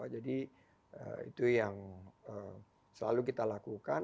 jadi itu yang selalu kita lakukan